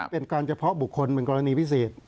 เป็นการเฉพาะบุคคลเป็นกรณีพิเศษ